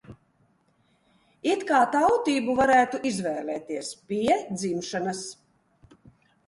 It kā tautību varētu izvēlēties pie dzimšanas.